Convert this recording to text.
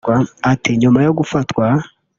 Ati “Nyuma yo gufatwa